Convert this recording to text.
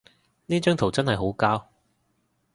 呢張圖真係好膠